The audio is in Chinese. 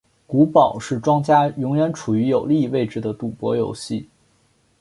骰宝是庄家永远处于有利位置的赌博游戏。